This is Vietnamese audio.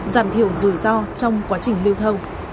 giảm thiểu rủi ro trong quá trình lưu thông